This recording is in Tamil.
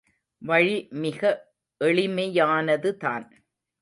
வழி மிக எளிமையானதுதான்.